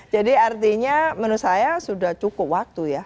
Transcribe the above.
jadi artinya menurut saya sudah cukup waktu ya